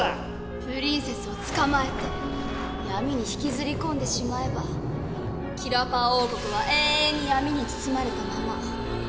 プリンセスを捕まえて闇に引きずり込んでしまえばキラパワ王国は永遠に闇に包まれたまま。